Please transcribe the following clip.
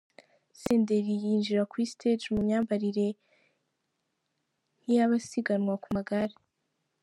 Senderi yinjira kuri Stage mu myambarire nk’iy’abasiganwa ku magare.